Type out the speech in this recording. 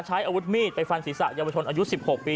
ใช้อาวุธมีดไปฟันศีรษะยาวมันชนอายุสิบหกปี